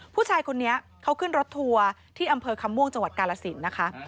ผู้ชายคนนี้เขาขึ้นรถทัวร์ที่อำเภอคำม่วงจังหวัดกาลสินนะคะ